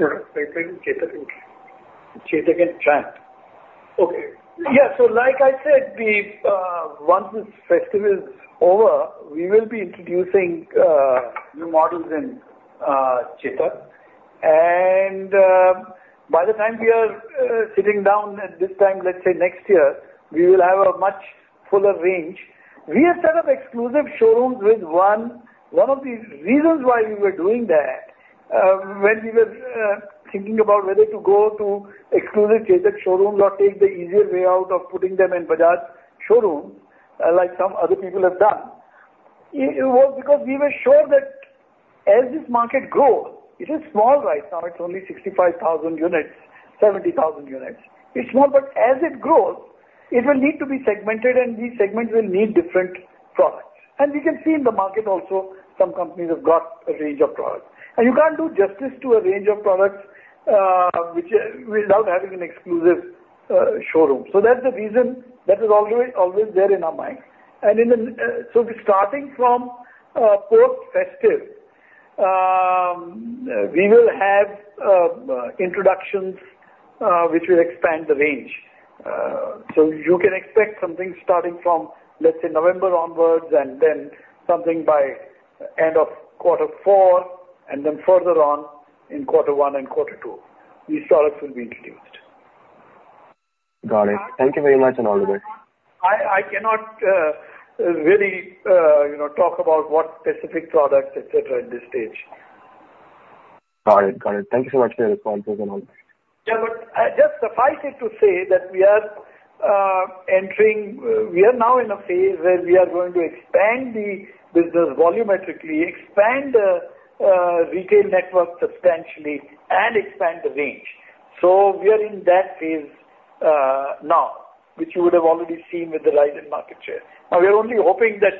Sure. Chetak and Triumph. Okay. Yeah, so like I said, once this festival is over, we will be introducing new models in Chetak, and by the time we are sitting down at this time, let's say next year, we will have a much fuller range. We have set up exclusive showrooms with one. One of the reasons why we were doing that, when we were thinking about whether to go to exclusive Chetak showrooms or take the easier way out of putting them in Bajaj showrooms, like some other people have done, it was because we were sure that as this market grows, it is small right now, it's only 65,000 units, 70,000 units. It's small, but as it grows, it will need to be segmented, and these segments will need different products. We can see in the market also, some companies have got a range of products. You can't do justice to a range of products, which without having an exclusive showroom. So that's the reason that is always, always there in our minds. So starting from post festive, we will have introductions which will expand the range. So you can expect something starting from, let's say, November onwards, and then something by end of quarter four, and then further on in quarter one and quarter two, these products will be introduced. Got it. Thank you very much, and all the best. I cannot really, you know, talk about what specific products, et cetera, at this stage. Got it. Got it. Thank you so much for your response as well. Yeah, but I just suffice it to say that we are entering, we are now in a phase where we are going to expand the business volumetrically, expand the retail network substantially, and expand the range. So we are in that phase now, which you would have already seen with the rise in market share. Now, we are only hoping that,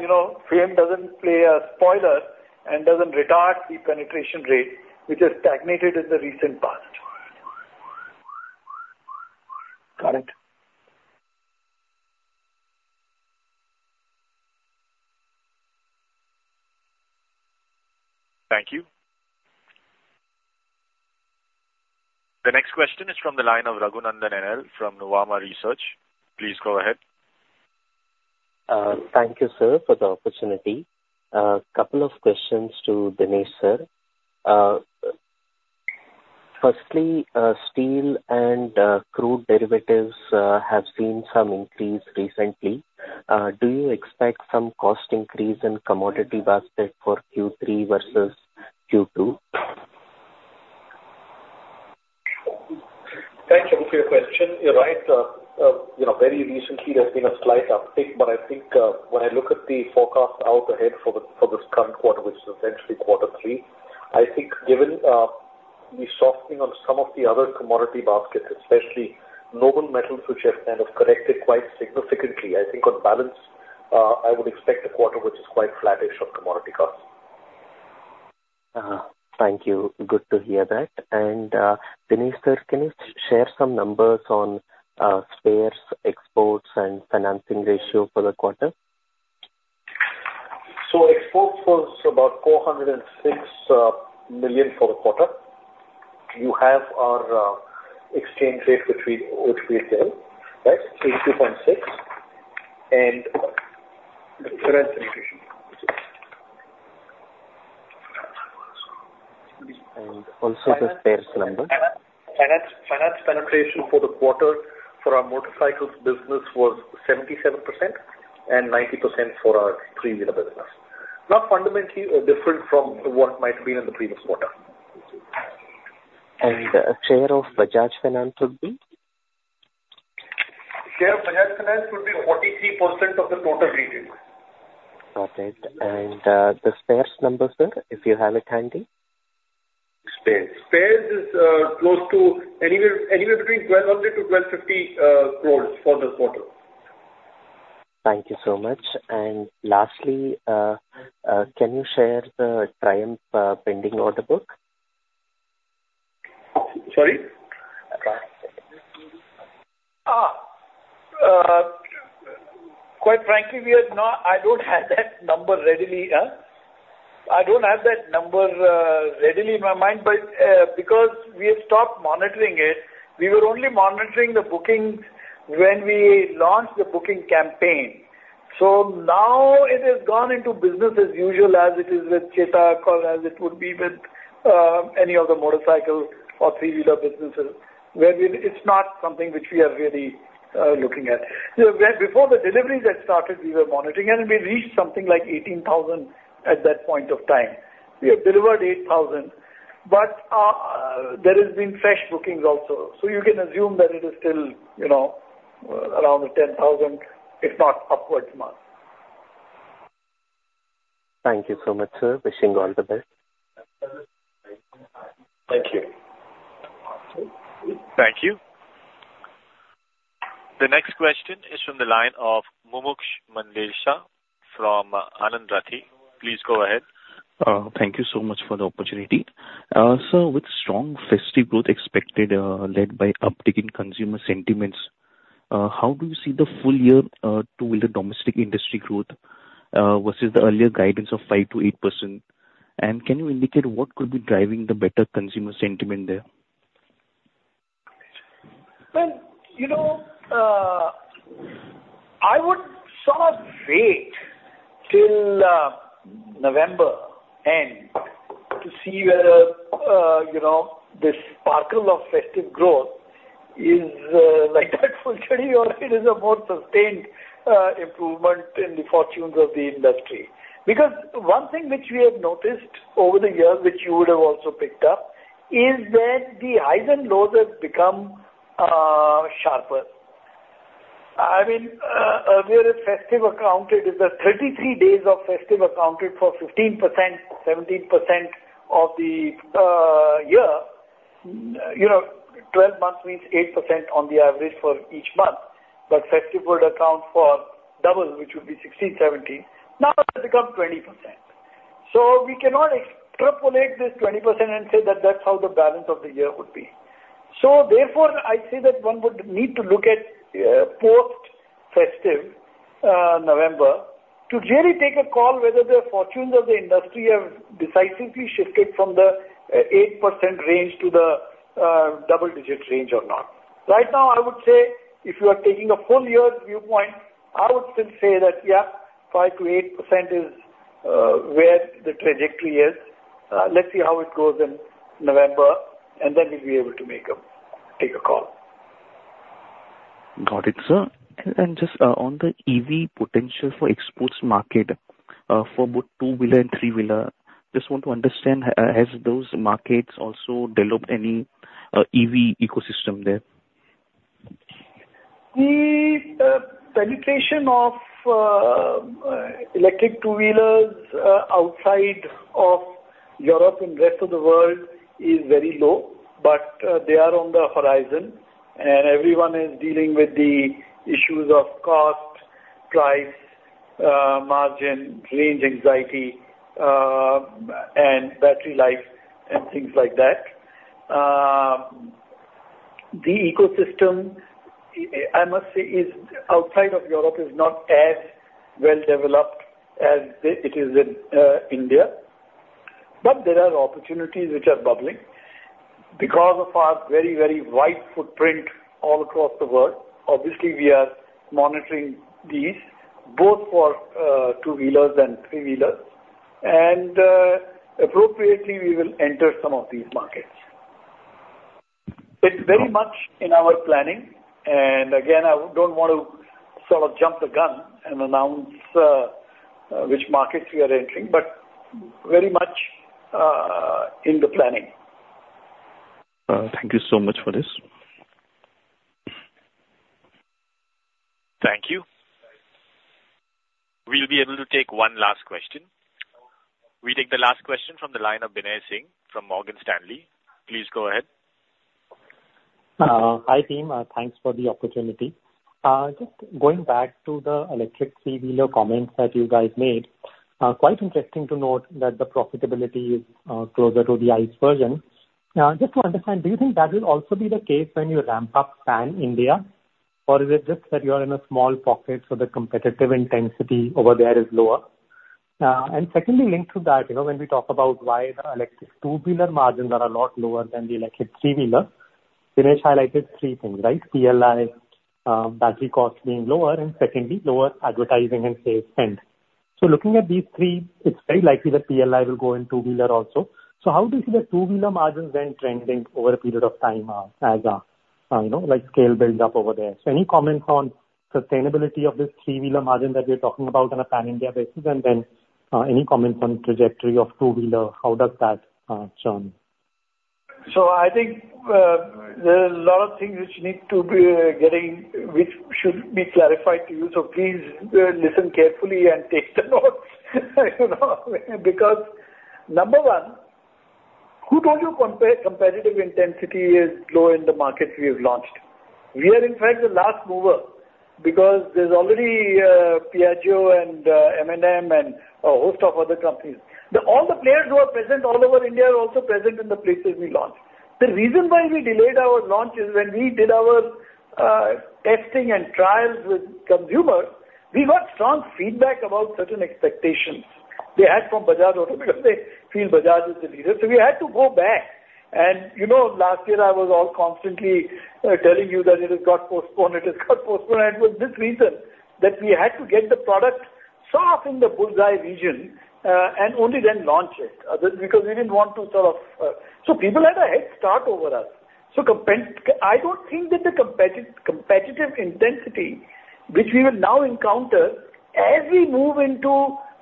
you know, FAME doesn't play a spoiler and doesn't retard the penetration rate, which has stagnated in the recent past. Got it. Thank you. The next question is from the line of Raghunandhan NL from Nuvama Research. Please go ahead. Thank you, sir, for the opportunity. Couple of questions to Dinesh, sir. Firstly, steel and crude derivatives have seen some increase recently. Do you expect some cost increase in commodity basket for Q3 versus Q2? Thank you for your question. You're right. You know, very recently there's been a slight uptick, but I think, when I look at the forecast out ahead for the, for this current quarter, which is essentially quarter three, I think given, the softening of some of the other commodity baskets, especially noble metals, which have kind of corrected quite significantly, I think on balance, I would expect a quarter which is quite flattish on commodity costs. Thank you. Good to hear that. Dinesh, sir, can you share some numbers on spares, exports, and financing ratio for the quarter? So exports was about $406 million for the quarter. You have our exchange rate between USD-INR, right? So 2.6. And the finance penetration. And also the spares number. Financing penetration for the quarter for our motorcycles business was 77% and 90% for our three-wheeler business. Not fundamentally different from what might have been in the previous quarter. Share of Bajaj Finance would be? Share of Bajaj Finance would be 43% of the total revenue. Got it. And, the spares number, sir, if you have it handy. Spares. Spares is close to anywhere, anywhere between 1,200-1,250 crores for this quarter. Thank you so much. Lastly, can you share the Triumph pending order book? Sorry? Triumph. Quite frankly, we are not—I don't have that number readily. I don't have that number readily in my mind, but because we have stopped monitoring it. We were only monitoring the bookings when we launched the booking campaign. So now it has gone into business as usual, as it is with Chetak, or as it would be with any of the motorcycle or three-wheeler businesses, where we—it's not something which we are really looking at. You know, when before the deliveries had started, we were monitoring and we reached something like 18,000 at that point of time. We have delivered 8,000, but there has been fresh bookings also. So you can assume that it is still, you know, around the 10,000, if not upwards mark. Thank you so much, sir. Wishing you all the best. Thank you. Thank you. The next question is from the line of Mumuksh Mandlesha from Anand Rathi. Please go ahead. Thank you so much for the opportunity. Sir, with strong festive growth expected, led by uptick in consumer sentiments, how do you see the full year to the domestic industry growth versus the earlier guidance of 5%-8%? And can you indicate what could be driving the better consumer sentiment there? Well, you know, I would sort of wait till November end to see whether, you know, the sparkle of festive growth is like that full study or it is a more sustained improvement in the fortunes of the industry. Because one thing which we have noticed over the years, which you would have also picked up, is that the highs and lows have become sharper. I mean, earlier festive accounted, is that 33 days of festive accounted for 15%, 17% of the year. You know, 12 months means 8% on the average for each month, but festive would account for double, which would be 16, 17, now it has become 20%. So we cannot extrapolate this 20% and say that that's how the balance of the year would be. So therefore, I say that one would need to look at post-festive November to really take a call whether the fortunes of the industry have decisively shifted from the 8% range to the double-digit range or not. Right now, I would say if you are taking a full year's viewpoint, I would still say that, yeah, 5%-8% is where the trajectory is. Let's see how it goes in November, and then we'll be able to take a call. Got it, sir. And just on the EV potential for export markets, for both two-wheeler and three-wheeler, just want to understand, has those markets also developed any EV ecosystem there? The penetration of electric two-wheelers outside of Europe and rest of the world is very low, but they are on the horizon, and everyone is dealing with the issues of cost, price, margin, range anxiety, and battery life and things like that. The ecosystem, I must say, outside of Europe is not as well developed as it is in India. There are opportunities which are bubbling. Because of our very, very wide footprint all across the world, obviously, we are monitoring these, both for two-wheelers and three-wheelers, and appropriately, we will enter some of these markets. It's very much in our planning, and again, I don't want to sort of jump the gun and announce which markets we are entering, but very much in the planning. Thank you so much for this. Thank you. We'll be able to take one last question. We take the last question from the line of Binay Singh from Morgan Stanley. Please go ahead. Hi, team, thanks for the opportunity. Just going back to the electric three-wheeler comments that you guys made, quite interesting to note that the profitability is closer to the ICE version. Now, just to understand, do you think that will also be the case when you ramp up pan India, or is it just that you are in a small pocket, so the competitive intensity over there is lower? And secondly, linked to that, you know, when we talk about why the electric two-wheeler margins are a lot lower than the electric three-wheeler, Dinesh highlighted three things, right? PLI, battery costs being lower, and secondly, lower advertising and sales spend. So looking at these three, it's very likely that PLI will go in two-wheeler also. So how do you see the two-wheeler margins then trending over a period of time, as you know, like, scale builds up over there? So any comment on sustainability of this three-wheeler margin that we are talking about on a pan-India basis, and then any comment on trajectory of two-wheeler, how does that turn? So I think, there are a lot of things which need to be, which should be clarified to you. So please, listen carefully and take the notes, you know, because number one, who told you compare, competitive intensity is low in the markets we have launched? We are, in fact, the last mover because there's already, Piaggio and, M&M and a host of other companies. The all the players who are present all over India are also present in the places we launched. The reason why we delayed our launch is when we did our, testing and trials with consumers, we got strong feedback about certain expectations they had from Bajaj Auto, because they feel Bajaj is the leader. So we had to go back. You know, last year I was all constantly telling you that it has got postponed, it has got postponed, and it was this reason that we had to get the product sort of in the bull's-eye region, and only then launch it, because we didn't want to sort of... So people had a head start over us. So I don't think that the competitive intensity, which we will now encounter as we move into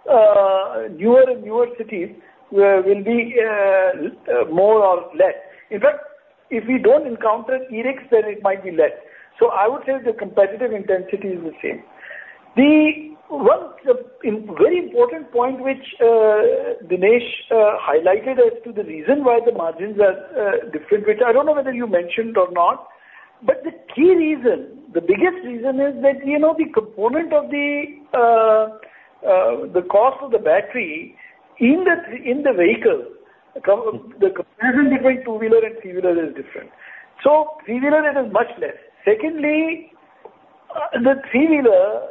newer and newer cities, will be more or less. In fact, if we don't encounter e-ricks, then it might be less. So I would say the competitive intensity is the same. The one, very important point, which, Dinesh, highlighted as to the reason why the margins are, different, which I don't know whether you mentioned or not, but the key reason, the biggest reason is that, you know, the component of the cost of the battery in the vehicle, the comparison between two-wheeler and three-wheeler is different. So three-wheeler, it is much less. Secondly, the three-wheeler,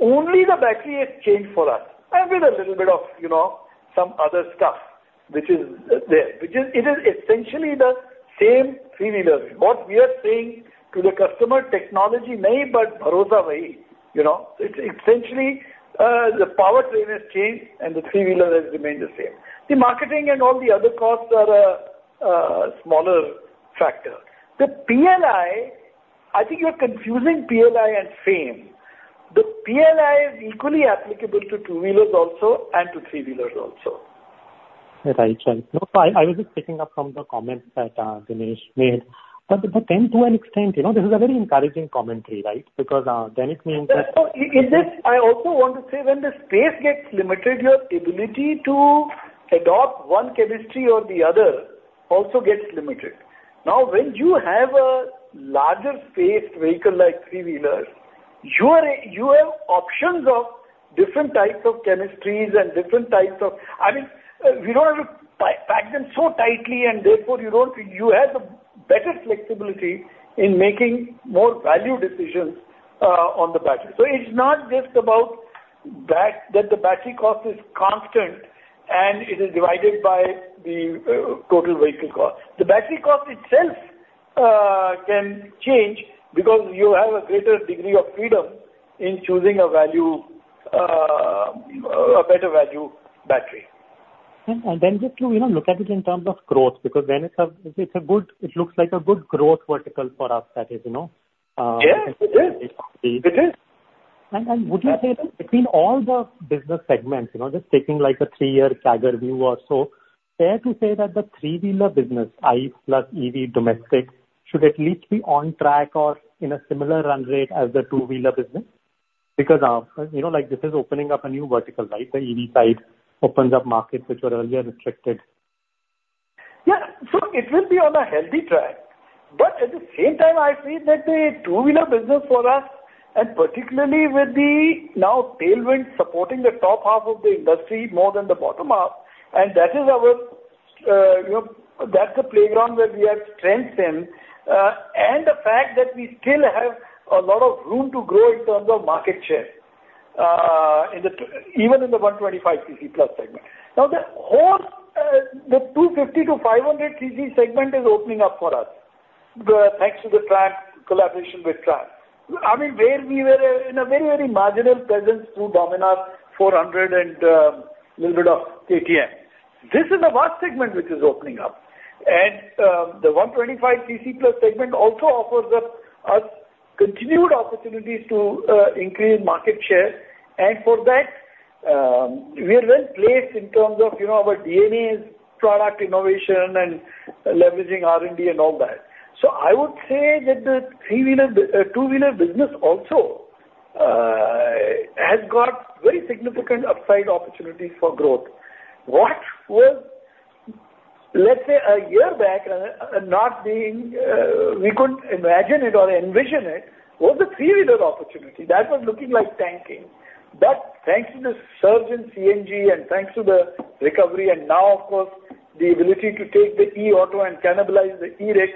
only the battery has changed for us and with a little bit of, you know, some other stuff which is there. Which is, it is essentially the same three-wheeler. What we are saying to the customer, technology..., you know, it's essentially, the powertrain has changed and the three-wheeler has remained the same. The marketing and all the other costs are, smaller factor. The PLI, I think you're confusing PLI and FAME. The PLI is equally applicable to two-wheelers also and to three-wheelers also. Right. No, so I was just picking up from the comments that Dinesh made. But then to an extent, you know, this is a very encouraging commentary, right? Because then it means that- In this, I also want to say, when the space gets limited, your ability to adopt one chemistry or the other also gets limited. Now, when you have a larger spaced vehicle like three-wheelers, you have options of different types of chemistries and different types of... I mean, we don't have to pack them so tightly, and therefore, you don't, you have the better flexibility in making more value decisions on the battery. So it's not just about that the battery cost is constant and it is divided by the total vehicle cost. The battery cost itself can change because you have a greater degree of freedom in choosing a value, a better value battery. Then just to, you know, look at it in terms of growth, because then it's a, it's a good, it looks like a good growth vertical for us, that is, you know... Yes, it is. It is. would you say that between all the business segments, you know, just taking like a three-year CAGR view or so, fair to say that the three-wheeler business, ICE plus EV domestic, should at least be on track or in a similar run rate as the two-wheeler business? Because, you know, like, this is opening up a new vertical, right? The EV side opens up markets which were earlier restricted. Yeah. So it will be on a healthy track, but at the same time, I feel that the two-wheeler business for us, and particularly with the now tailwind supporting the top half of the industry more than the bottom half, and that is our, you know, that's a playground where we have strengths in, and the fact that we still have a lot of room to grow in terms of market share, in the, even in the 125 cc-plus segment. Now, the whole, the 250-500 cc segment is opening up for us, thanks to the Triumph collaboration with Triumph. I mean, where we were in a very, very marginal presence through Dominar 400 and little bit of KTM. This is a vast segment which is opening up, and the 125 cc-plus segment also offers us continued opportunities to increase market share. For that, we are well placed in terms of, you know, our DNAs, product innovation and leveraging R&D and all that. So I would say that the three-wheeler two-wheeler business also has got very significant upside opportunities for growth. What was, let's say, a year back, we couldn't imagine it or envision it, was the three-wheeler opportunity. That was looking like tanking. But thanks to the surge in CNG and thanks to the recovery, and now, of course, the ability to take the e-auto and cannibalize the e-rick,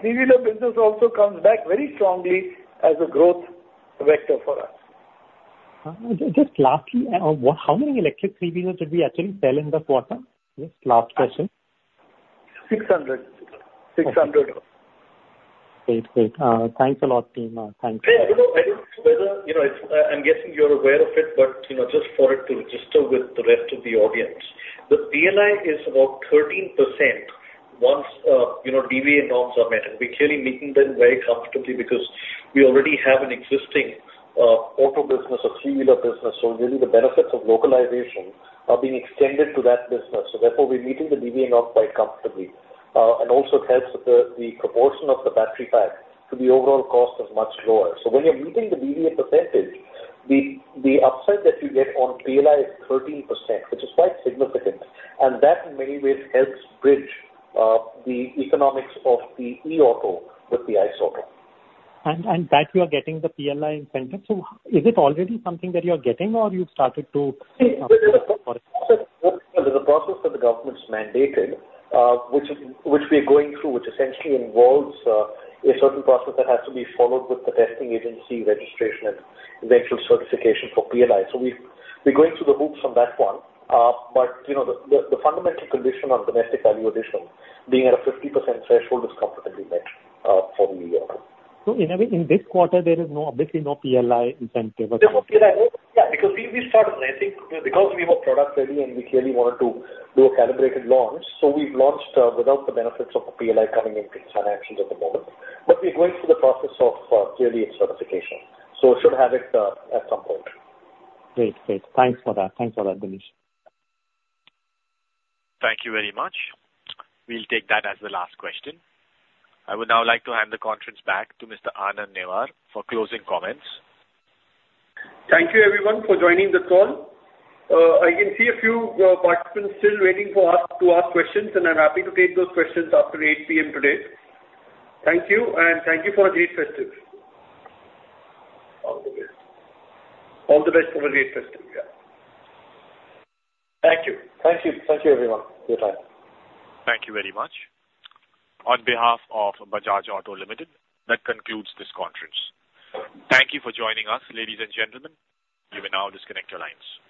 three-wheeler business also comes back very strongly as a growth vector for us. Just lastly, how many electric three-wheeler did we actually sell in the quarter? This last question. 600. 600. Great. Great. Thanks a lot, team. Thank you. Hey, you know, I don't know whether, you know, I, I'm guessing you're aware of it, but, you know, just for it to register with the rest of the audience. The PLI is about 13% once, you know, DVA norms are met, and we're clearly meeting them very comfortably because we already have an existing auto business, a three-wheeler business. So really, the benefits of localization are being extended to that business. So therefore, we're meeting the DVA norm quite comfortably. And also it helps with the, the proportion of the battery pack to the overall cost is much lower. So when you're meeting the DVA percentage, the, the upside that you get on PLI is 13%, which is quite significant, and that in many ways helps bridge the economics of the e-auto with the ICE auto. That you are getting the PLI incentive. So is it already something that you are getting or you've started to- There's a process that the government's mandated, which we are going through, which essentially involves, a certain process that has to be followed with the testing agency, registration, and eventual certification for PLI. So we've, we're going through the hoops on that one. But, you know, the fundamental condition on domestic value addition being at a 50% threshold, is comfortably met, for the year. In a way, in this quarter, there is no, obviously no PLI incentive? There's no PLI. Yeah, because we, we started, I think, because we were product ready and we clearly wanted to do a calibrated launch. So we've launched without the benefits of the PLI coming into financials at the moment. But we're going through the process of clearly its certification, so should have it at some point. Great. Great. Thanks for that. Thanks for that, Dinesh. Thank you very much. We'll take that as the last question. I would now like to hand the conference back to Mr. Anand Newar for closing comments. Thank you, everyone, for joining this call. I can see a few participants still waiting for us to ask questions, and I'm happy to take those questions after 8 P.M. today. Thank you, and thank you for a great festive. All the best. All the best for a great festive. Yeah. Thank you. Thank you. Thank you, everyone, for your time. Thank you very much. On behalf of Bajaj Auto Limited, that concludes this conference. Thank you for joining us, ladies and gentlemen. You may now disconnect your lines.